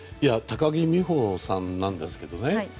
高木美帆さんなんですけどね。